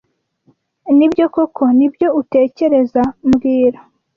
Nibyo koko nibyo utekereza mbwira